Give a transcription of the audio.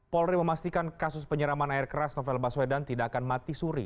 polri memastikan kasus penyeraman air keras novel baswedan tidak akan mati suri